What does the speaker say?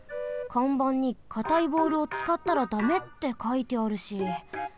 かんばんにかたいボールをつかったらだめってかいてあるし。